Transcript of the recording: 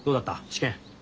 試験。